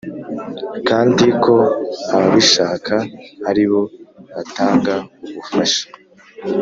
kandi ko ababishaka aribo batanga ubufasha